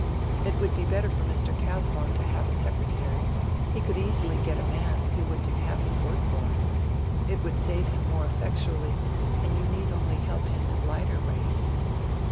It would be better for Mr. Casaubon to have a secretary; he could easily get a man who would do half his work for him. It would save him more effectually, and you need only help him in lighter ways."